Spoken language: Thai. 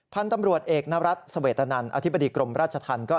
พันธุ์ตำรวจเอกนรัฐเสวตนันอธิบดีกรมราชธรรมก็